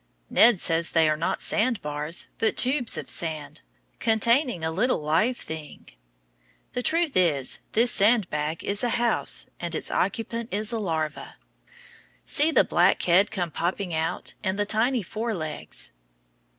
Ned says they are not sand bars but tubes of sand, containing a little live thing. The truth is, this sand bag is a house, and its occupant is a larva. See the black head come popping out, and the tiny fore legs.